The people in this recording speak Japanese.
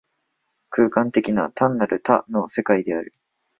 空間的な、単なる多の世界である。